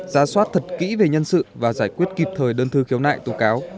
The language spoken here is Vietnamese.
ra soát thật kỹ về nhân sự và giải quyết kịp thời đơn thư khiếu nại tố cáo